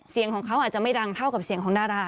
เสียงของเขาอาจจะไม่ดังเท่ากับเสียงของดารา